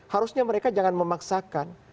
harusnya mereka jangan memaksakan